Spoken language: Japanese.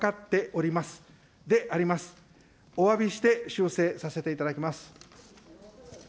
おわびして修正させていただきま